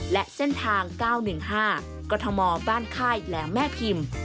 และเส้นทาง๙๑๕กรทมบ้านค่ายแหลมแม่พิมพ์